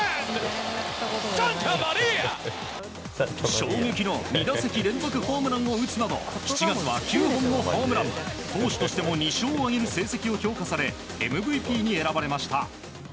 衝撃の２打席連続ホームランを打つなど７月は９本のホームラン投手としても２勝を挙げる成績を評価されＭＶＰに選ばれました。